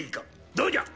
どうじゃ！